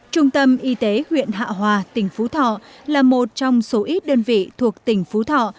trung tâm y tế huyện hạ hòa tỉnh phú thọ là một trong số ít đơn vị thuộc tỉnh phú thọ